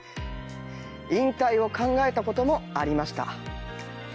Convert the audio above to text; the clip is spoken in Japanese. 引退を考えたこともありました。